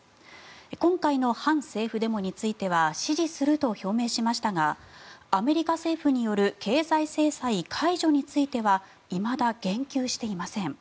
今回の反政府デモについては支持すると表明しましたがアメリカ政府による経済制裁解除についてはいまだ言及していません。